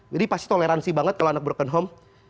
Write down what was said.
jadi pasti toleransi banget kalau anak broken home